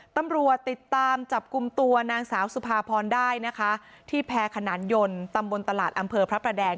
ตำรวจติดตามจับกลุ่มตัวนางสาวสุภาพรได้นะคะที่แพรขนานยนต์ตำบลตลาดอำเภอพระประแดง